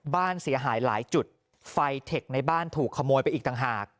บ้านเสียหายหลายจุดไฟเทคในบ้านถูกขโมยไปอีกต่างหาก